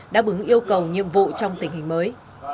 đã bứng yêu cầu nhiệm vụ trong tình hình mới